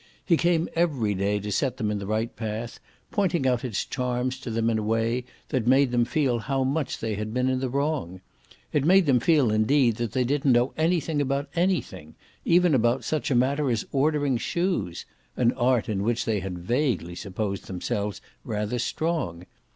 He came every day to set them in the right path, pointing out its charms to them in a way that made them feel how much they had been in the wrong. It made them feel indeed that they didn't know anything about anything, even about such a matter as ordering shoes an art in which they had vaguely supposed themselves rather strong.